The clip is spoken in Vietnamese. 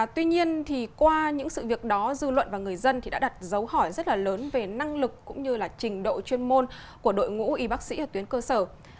tuy nhiên thì qua những sự việc đó dư luận và người dân đã đặt dấu hỏi rất là lớn về năng lực cũng như là trình độ chuyên môn của đội ngũ y bác sĩ ở tuyến cơ sở